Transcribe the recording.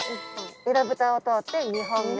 えらぶたを通って２本目。